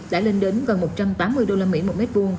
đã lên đến gần một trăm tám mươi đô la mỹ mỗi mét vuông